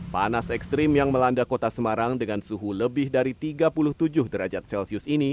panas ekstrim yang melanda kota semarang dengan suhu lebih dari tiga puluh tujuh derajat celcius ini